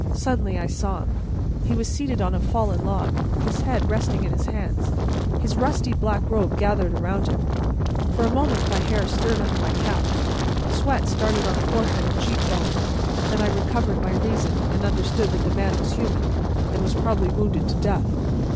Suddenly I saw him. He was seated on a fallen log, his head resting in his hands, his rusty black robe gathered around him. For a moment my hair stirred under my cap; sweat started on forehead and cheek bone; then I recovered my reason, and understood that the man was human and was probably wounded to death.